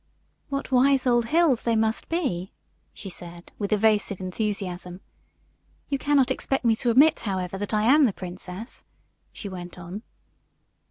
"What wise old hills they must be," she said, with evasive enthusiasm. "You cannot expect me to admit, however, that I am the princess," she went on.